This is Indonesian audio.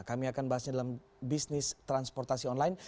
kami akan bahasnya dalam bisnis transportasi online